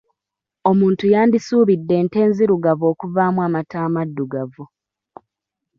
Omuntu yandisuubidde ente enzirugavu okuvaamu amata amaddugavu.